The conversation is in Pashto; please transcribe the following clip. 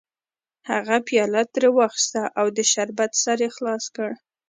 هغه پیاله ترې واخیسته او د شربت سر یې خلاص کړ